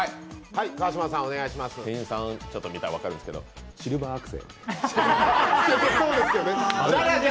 店員さんちょっと見たら分かるんですけど、シルバーアクセ。